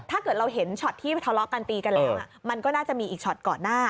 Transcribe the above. ถ้าเกิดเราเห็นช็อตที่ทะเลาะกันตีกันแล้วมันก็น่าจะมีอีกช็อตก่อนหน้า